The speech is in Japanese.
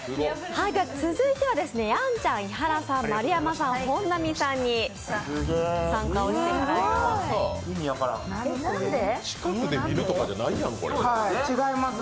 続いてはやんちゃん、伊原さん、丸山さん、本並さんに参加していただきます